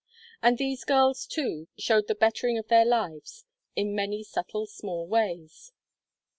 And these girls, too, showed the bettering of their lives in many subtle small ways.